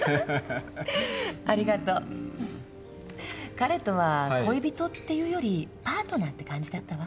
彼とは「恋人」っていうより「パートナー」って感じだったわ。